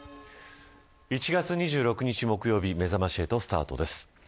１月２６日、木曜日めざまし８スタートです。